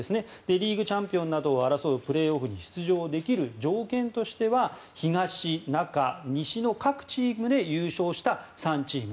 リーグチャンピオンなどを争うプレーオフに出場できる条件としては東、中、西の各チームで優勝した３チーム。